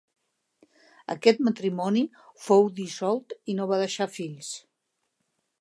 Aquest matrimoni fou dissolt i no va deixar fills.